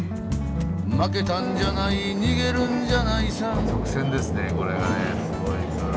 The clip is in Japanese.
「負けたんじゃない逃げるんじゃないさ」